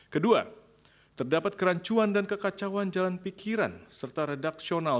kedua terdapat kerancuan dan kekacauan jalan pikiran serta redaksional